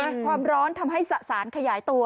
ความร้อนทำให้สะสานขยายตัว